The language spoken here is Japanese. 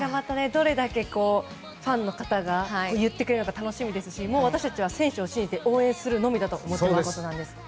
どれだけファンの方が言ってくれるのか楽しみですしもう私たちは選手を信じて応援するのみだと思っていますので。